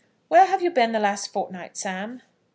"Where have you been the last fortnight, Sam?"